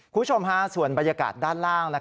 คุณผู้ชมส่วนบรรยากาศด้านล่าง